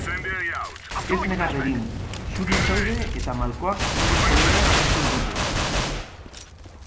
Ez negar egin, xuri zaude eta malkoak zure kolorea kentzen dute.